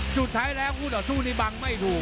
สุดท้ายแล้วคู่ต่อสู้นี้บังไม่ถูก